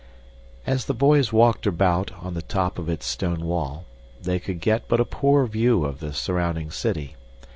As the boys walked about on the top of its stone wall, they could get but a poor view of the surrounding city.